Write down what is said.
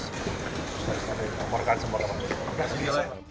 saya serahkan semua nama